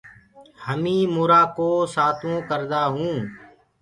همينٚ مُرآ ڪو سآتوونٚ ڪردآ هونٚ۔